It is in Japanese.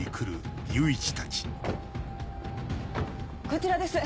こちらです。